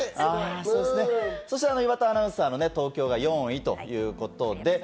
そして岩田アナウンサーの東京が４位ということで。